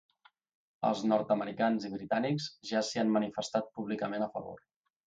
Els nord-americans i britànics ja s’hi han manifestat públicament a favor.